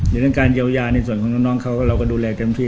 อย่างนั้นการเยาว์ยาในส่วนของน้องเขาเราก็ดูแลเต็มที่